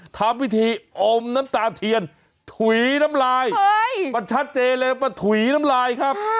ทำพิธีอมน้ำตาเทียนถุยน้ำลายมันชัดเจนเลยมันถุยน้ำลายครับ